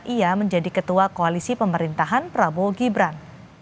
ia menjadi ketua koalisi pemerintahan prabowo gibran